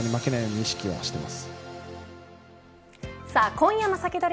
今夜のサキドリ！